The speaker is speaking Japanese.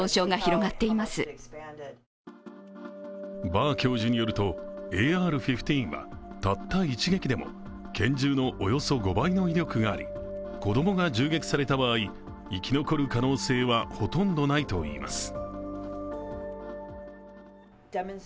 バー教授によると、ＡＲ−１５はたった一撃でも拳銃のおよそ５倍の威力があり、子供が銃撃された場合、生き残る可能性はほとんどないといいます。